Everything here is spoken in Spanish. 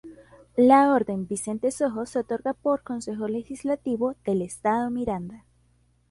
La Orden Vicente Sojo se otorga por Consejo Legislativo del Estado Miranda.